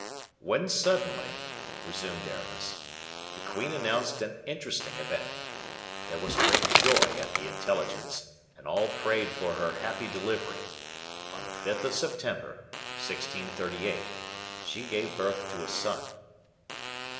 "When suddenly," resumed Aramis, "the queen announced an interesting event. There was great joy at the intelligence, and all prayed for her happy delivery. On the 5th of September, 1638, she gave birth to a son."